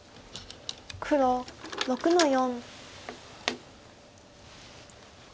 黒６の四。